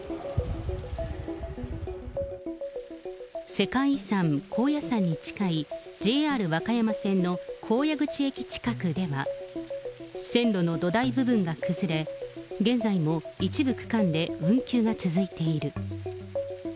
世界遺産、高野山に近いＪＲ和歌山線の高野口駅近くでは、線路の土台部分が崩れ、現在も一部区間で運休が続いている。